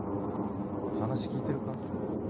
話聞いてるか？